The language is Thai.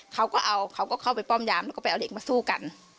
เขาก็เอาเขาก็เข้าไปป้อมยามแล้วก็ไปเอาเด็กมาสู้กัน